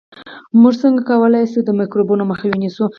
موږ څنګه کولای شو د میکروبونو مخه ونیسو